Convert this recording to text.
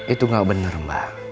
itu gak bener mba